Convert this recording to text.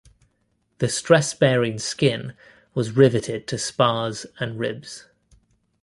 The stress bearing skin was riveted to spars and ribs.